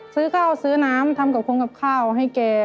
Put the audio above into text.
ซื้อข้าวซื้อน้ำทำกับคงกับข้าวให้แก